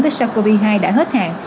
với sars cov hai đã hết hạn